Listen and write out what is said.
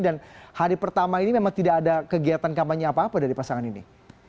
dan hari pertama ini memang tidak ada kegiatan kampanye apa apa dari pasangan ini